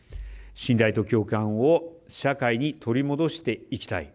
信頼と共感を社会に取り戻していきたい。